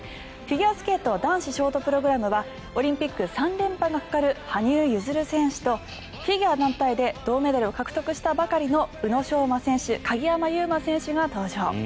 フィギュアスケート男子ショートプログラムはオリンピック３連覇がかかる羽生結弦選手とフィギュア団体で銅メダルを獲得したばかりの宇野昌磨選手、鍵山優真選手が登場。